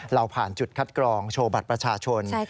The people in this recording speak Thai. เราผ่านจุดคัดกรองโชว์บัตรประชาชน